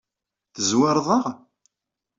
Tezwareḍ-aɣ?